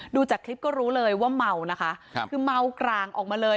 ดูจากคลิปก็รู้เลยว่าเมานะคะครับคือเมากรางออกมาเลย